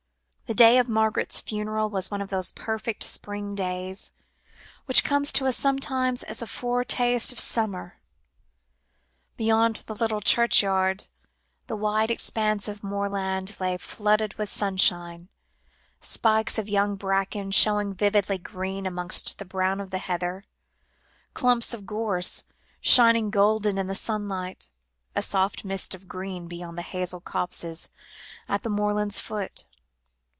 The day of Margaret's funeral was one of those perfect spring days, which come to us sometimes as a foretaste of summer. Beyond the little churchyard, the wide expanse of moorland lay flooded with sunshine, spikes of young bracken showing vividly green amongst the brown of the heather, clumps of gorse shining golden in the sunlight, a soft mist of green upon the hazel copses at the moorland's foot.